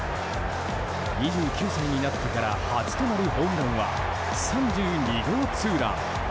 ２９歳になってから初となるホームランは３２号ツーラン。